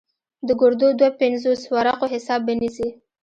د ګردو دوه پينځوس ورقو حساب به نيسې.